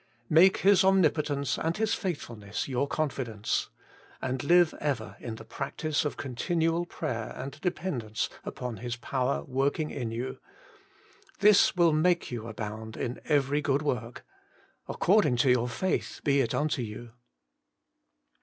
Make His omnipotence and His faithful ness your confidence. And live ever in the practice of continual prayer and depend ence upon His power working in you. This will make you abound in every good work. According to your faith be it unto you.